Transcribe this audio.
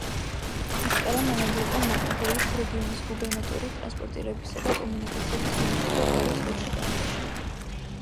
ვისკარა მანამდე იყო მოკეგუის რეგიონის გუბერნატორი, ტრანსპორტირებისა და კომუნიკაციების მინისტრი და პერუს ელჩი კანადაში.